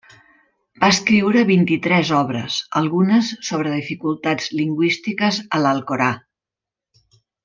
Va escriure vint-i-tres obres, algunes sobres dificultats lingüístiques a l'Alcorà.